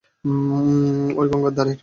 ঐ গঙ্গার ধারের?